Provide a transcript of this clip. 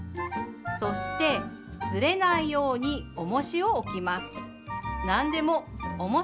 そしてずれないようにおもしを置きます。